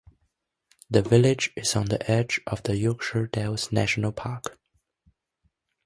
The village is on the edge of the Yorkshire Dales National Park.